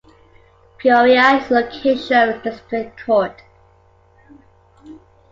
Peoria is the location of a district court.